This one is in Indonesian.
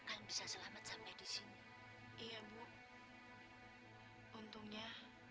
sampai jumpa di video selanjutnya